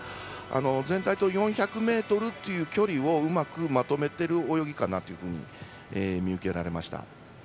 全体的に４００ｍという距離をうまくまとめている泳ぎかなと見受けられました。